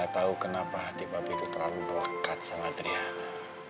tahu kenapa hati papi terlalu berlekat sama triana